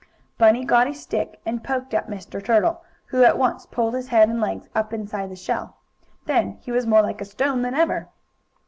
Bunny got a stick, and poked at Mr. Turtle, who at once pulled his head and legs up inside his shell. Then he was more like a stone than ever.